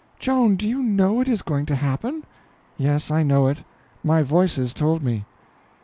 "Joan, do you know it is going to happen?" "Yes, I know it. My Voices told me."